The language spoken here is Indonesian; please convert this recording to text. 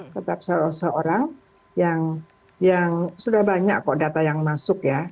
terhadap seseorang yang sudah banyak kok data yang masuk ya